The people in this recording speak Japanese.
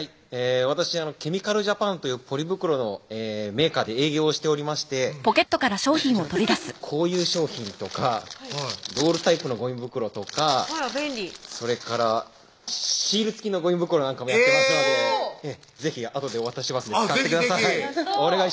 私ケミカルジャパンというポリ袋のメーカーで営業をしておりましてこういう商品とかロールタイプのゴミ袋とかあら便利それからシール付きのゴミ袋なんかもやってますので是非あとでお渡ししますので使ってください